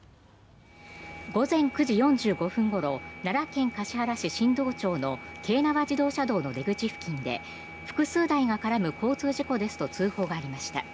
午前９時４５分ごろ奈良県橿原市新堂町の京奈和自動車道の出口付近で複数台が絡む交通事故ですと通報がありました。